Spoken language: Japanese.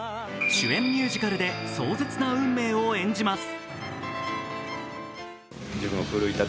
主演ミュージカルで壮絶な運命を演じます。